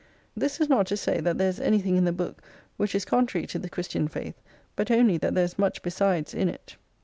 This is not to say that there is anything in the book which is con trary to the Christian faith ; but only that there is much besides in it.